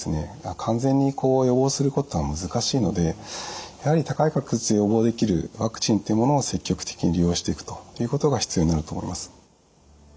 完全に予防することは難しいのでやはり高い確率で予防できるワクチンっていうものを積極的に利用していくということが必要になると思います。